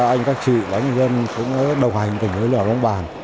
anh các chị và anh dân cũng đồng hành tình huyện lò bóng bàn